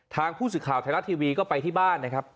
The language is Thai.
ทางผู้สื่อข่าวไทยรัฐทีวีก็ไปที่บ้านนะครับ